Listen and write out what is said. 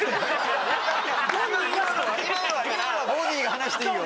今のはボディーが話していいよ